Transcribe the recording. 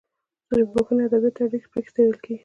د ژبپوهنې او ادبیاتو اړیکې پکې څیړل کیږي.